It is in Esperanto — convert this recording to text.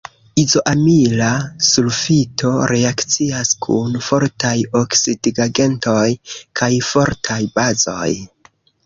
Izoamila sulfito reakcias kun fortaj oksidigagentoj kaj fortaj bazoj.